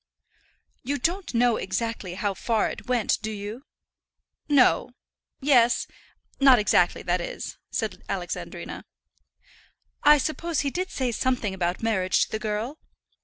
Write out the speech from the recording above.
"You don't know exactly how far it went, do you?" "No; yes; not exactly, that is," said Alexandrina. "I suppose he did say something about marriage to the girl?"